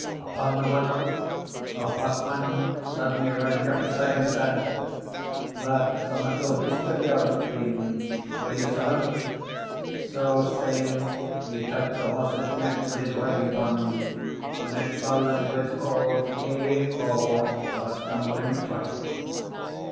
Upon the whilk, a horseman, suddenly riding up beside him, said, "That's a mettle beast of yours, freend; will you sell him?" So saying, he touched the horse's neck with his riding wand, and it fell into its auld heigh ho of a stumbling trot.